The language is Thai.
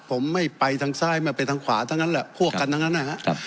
ผมไม่ไปทางซ้ายไม่ไปทางขวาทั้งนั้นแหละพวกกันทั้งนั้นนะครับ